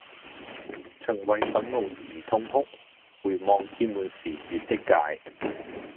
曾為憤怒而痛哭回望厭悶時越的界